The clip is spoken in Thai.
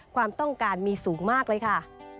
ความต้องการมีสูงมากเลยค่ะ